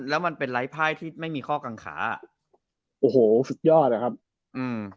แล้วมันเป็นไร้ภายที่ไม่มีข้อกังขาอ่ะโอ้โหสุดยอดอะครับอืม